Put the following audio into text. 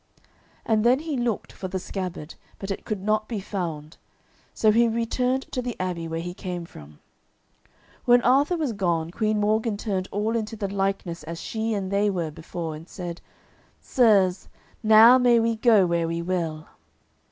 And then he looked for the scabbard, but it could not be found, so he returned to the abbey where he came from. When Arthur was gone, Queen Morgan turned all into the likeness as she and they were before, and said, "Sirs, now may we go where we will."